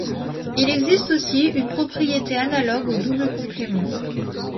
Il existe aussi une propriété analogue au double complément.